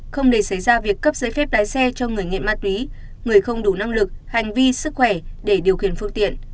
không để xảy ra việc cấp giấy phép lái xe cho người nghiện ma túy người không đủ năng lực hành vi sức khỏe để điều khiển phương tiện